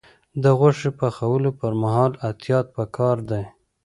د غوښې پخولو پر مهال احتیاط پکار دی.